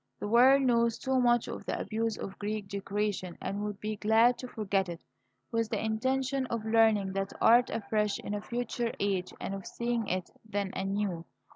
The world knows too much of the abuse of Greek decoration, and would be glad to forget it, with the intention of learning that art afresh in a future age and of seeing it then anew.